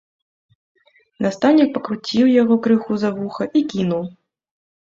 Настаўнік пакруціў яго крыху за вуха і кінуў.